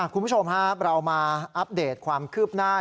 คุณผู้ชมครับเรามาอัปเดตความคืบหน้า